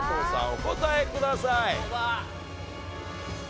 お答えください。